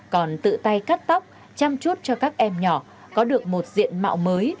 còn tự tay cắt tóc chăm chút cho các em nhỏ có được một diện mạo mới